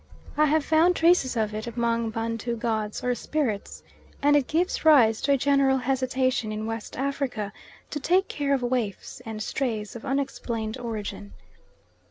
I have found traces of it among Bantu gods or spirits, and it gives rise to a general hesitation in West Africa to take care of waifs and strays of unexplained origin.